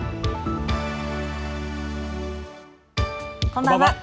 こんばんは。